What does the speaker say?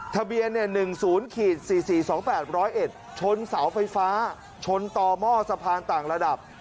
ทะเบียนเนี่ยหนึ่งศูนย์ขีดสี่สี่สองแปดร้อยเอ็ดชนเสาไฟฟ้าชนต่อหม้อสะพานต่างระดับ